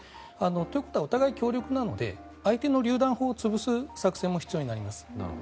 ということはお互いに協力なので相手のりゅう弾砲を潰す作戦も必要になります。